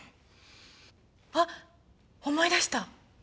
あっ思い出した！